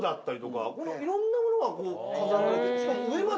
いろんなものが飾られて。